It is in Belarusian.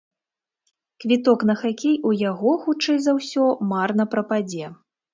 Квіток на хакей у яго, хутчэй за ўсё, марна прападзе.